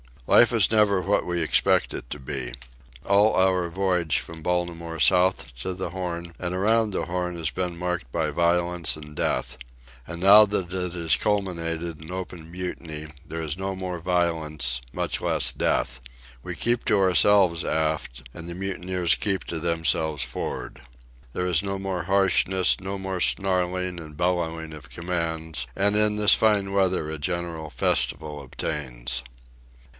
Life is never what we expect it to be. All our voyage from Baltimore south to the Horn and around the Horn has been marked by violence and death. And now that it has culminated in open mutiny there is no more violence, much less death. We keep to ourselves aft, and the mutineers keep to themselves for'ard. There is no more harshness, no more snarling and bellowing of commands; and in this fine weather a general festival obtains.